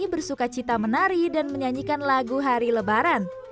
bersuka cita menari dan menyanyikan lagu hari lebaran